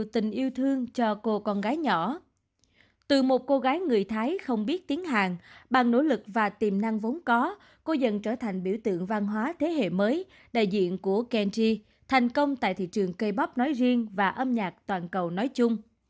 từ một cô gái người thái không biết tiếng hàn bằng nỗ lực và tiềm năng vốn có cô dần trở thành biểu tượng văn hóa thế hệ mới đại diện của genji thành công tại thị trường k pop nói riêng và âm nhạc toàn cầu nói chung